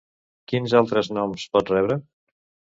Quins altres noms pot rebre?